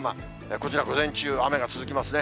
こちら、午前中、雨が続きますね。